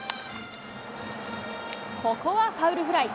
ここはファウルフライ。